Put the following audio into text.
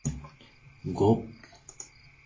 Dwebela igama lesifundazwe kanye nesimo sezulu.